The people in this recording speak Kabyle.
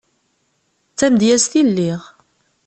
D tamedyazt i lliɣ.